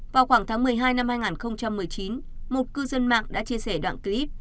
vào khoảng tháng một mươi hai năm hai nghìn một mươi chín một cư dân mạng đã chia sẻ đoạn clip